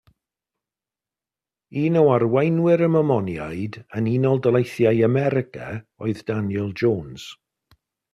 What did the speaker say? Un o arweinwyr y Mormoniaid yn Unol Daleithiau America oedd Daniel Jones.